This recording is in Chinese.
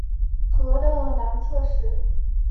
河的南侧是。